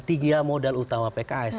tiga modal utama pks